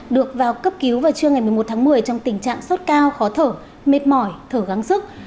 được vào cấp cứu vào trưa ngày một mươi một tháng một mươi trong tình trạng sốt cao khó thở mệt mỏi thở gắng sức